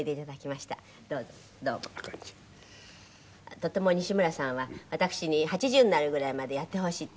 とても西村さんは私に「８０になるぐらいまでやってほしい」って。